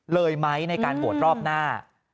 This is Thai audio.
เลยไหมในการโหวตรอบหน้า